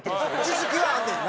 知識はあるねんな。